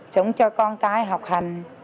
sống cho con cái học hành